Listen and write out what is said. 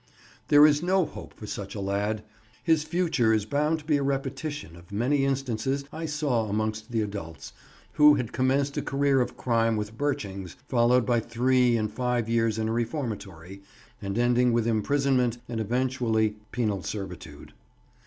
There is no hope for such a lad; his future is bound to be a repetition of many instances I saw amongst the adults, who had commenced a career of crime with birchings, followed by three and five years in a reformatory, and ending with imprisonment and eventually penal servitude.